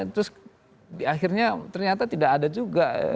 terus akhirnya ternyata tidak ada juga